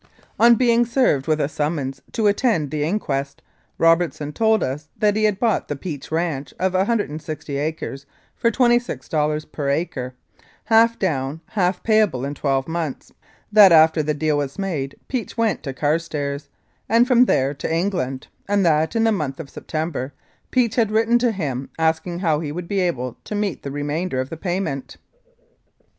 On being served with a summons to attend the in quest, Robertson told us that he had bought the Peach ranch of 160 acres for $26 per acre, half down, half pay able in twelve months. That after the deal was made Peach went to Carstairs, and from there to England, and that, in the month of September, Peach had written to him asking how he would be able to meet the remainder of the payment.